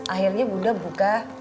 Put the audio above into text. akhirnya bunda buka